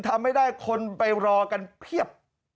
ทำไม่ได้คนไปรอกันเพียบ